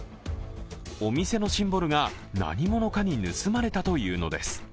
お店のシンボルが何者かに盗まれたというのです。